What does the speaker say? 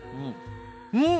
うん！